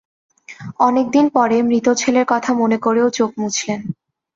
অনেক দিন পরে মৃত ছেলের কথা মনে করেও চোখ মুছলেন।